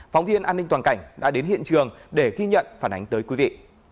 phóng viên an ninh toàn cảnh đã đến hiện trường để ghi nhận phản ánh tới quý vị